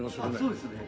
そうですね。